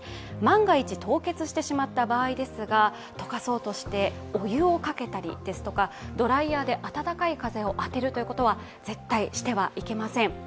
万が一凍結してしまった場合、溶かそうとしてお湯をかけたりドライヤーで暖かい風を当てることは絶対にしてはいけません。